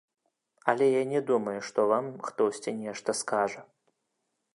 Але я не думаю, што вам хтосьці нешта скажа.